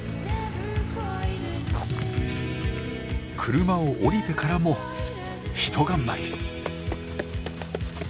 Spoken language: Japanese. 車を降りてからもひと頑張り。